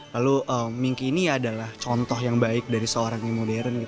lalu mingke ini adalah contoh yang baik dari seorang yang modern